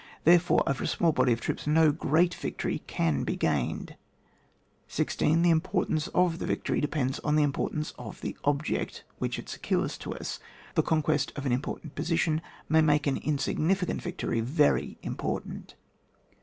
There fore, over a small body of troops no great victory can be gained. 16. The importance of the victory de pends on the importance of the object which it secures to us. The conquest of an important position may make an in significant victory very important.